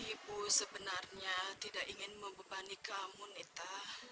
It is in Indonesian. ibu sebenarnya tidak ingin membebani kamu nita